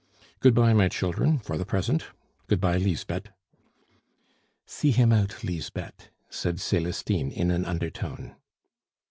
"Good bye, my children, for the present; good bye, Lisbeth." "See him out, Lisbeth," said Celestine in an undertone.